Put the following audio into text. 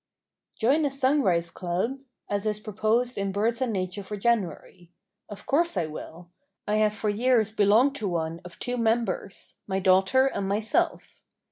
Join a sunrise club? as is proposed in Birds and Nature for January. Of course I will. I have for years belonged to one of two members—my daughter and myself.